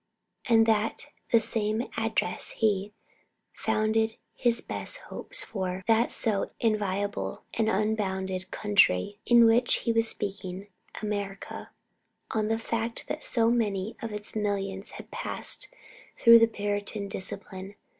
And in that same Address he "founded his best hopes for that so enviable and unbounded country in which he was speaking, America, on the fact that so many of its millions had passed through the Puritan discipline."